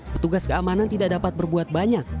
petugas keamanan tidak dapat berbuat banyak